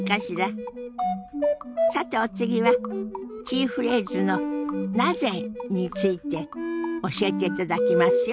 さてお次はキーフレーズの「なぜ？」について教えていただきますよ。